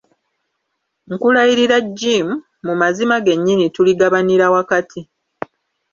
Nkulayirira, Jim, mu mazima gennyini tuligabanira wakati.